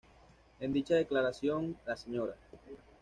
En dicha declaración la Sra.